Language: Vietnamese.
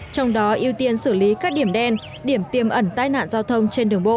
trong đó ưu tiên xử lý các điểm đen điểm tiêm ẩn tai nạn giao thông trên đường bộ